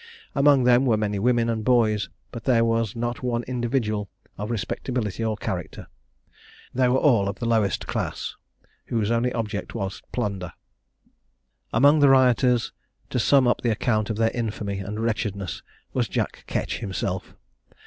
Among them were many women and boys but there was not one individual of respectability or character. They were all of the lowest class, whose only object was plunder. Among the rioters, to sum up the account of their infamy and wretchedness, was Jack Ketch himself.